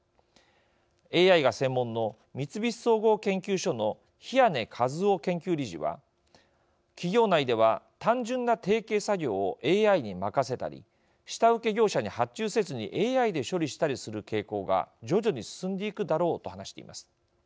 ＡＩが専門の三菱総合研究所の比屋根一雄研究理事は企業内では単純な定型作業をＡＩに任せたり下請け業者に発注せずにＡＩで処理したりする傾向が徐々に進んでいくだろうと話しています。